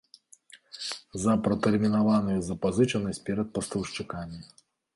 За пратэрмінаваную запазычанасць перад пастаўшчыкамі.